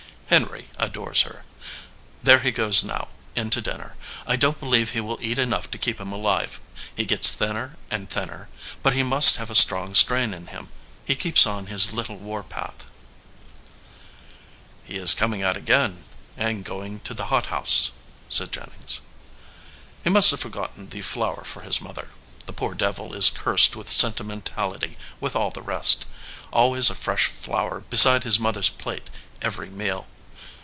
Henry adores her. There he goes now, in to din ner. I don t believe he will eat enough to keep him alive. He gets thinner and thinner, but he must have a strong strain in him. He keeps on his little war path." 16 233 EDGEWATER PEOPLE "He is coming out again and going to the hot house," said Jennings. "He must have forgotten the flower for his mother. The poor devil is cursed with sentimental ity with all the rest ; always a fresh flower beside his mother s plate every meal.